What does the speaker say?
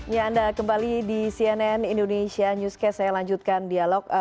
ya anda kembali di cnn indonesia newscast saya lanjutkan dialog